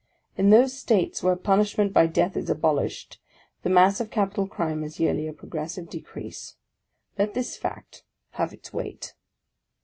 In those States where punishment by death is abolished, the mass of capital crime has yearly a progressive decrease. Let this fact have its weight.